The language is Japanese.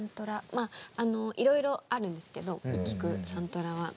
まあいろいろあるんですけど聴くサントラは。